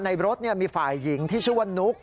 ในรถมีฝ่ายหญิงที่ชื่อว่านุ๊ก